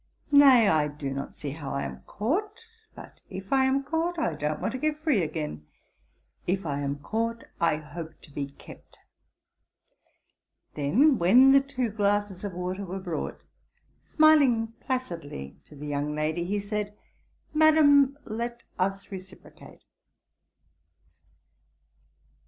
'Nay, I do not see how I am caught; but if I am caught, I don't want to get free again. If I am caught, I hope to be kept.' Then when the two glasses of water were brought, smiling placidly to the young lady, he said, 'Madam, let us reciprocate.'